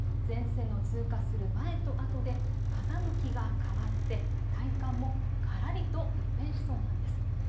前線の通過する前とあとで風向きが変わって体感もがらりと一変しそうなんです。